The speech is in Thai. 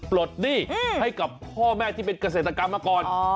ปลดหนี้ให้กับพ่อแม่ที่เป็นเกษตรกรรมมาก่อน